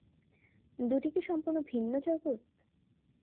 দুটি কি সম্পূর্ণ ভিন্ন জগৎ?